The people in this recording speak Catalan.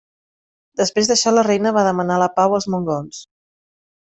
Després d'això la reina va demanar la pau als mongols.